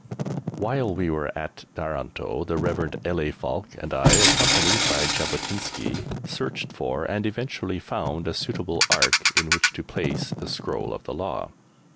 While we were at Taranto the Rev. L. A. Falk and I, accompanied by Jabotinsky, searched for and eventually found a suitable Ark in which to place the Scroll of the Law.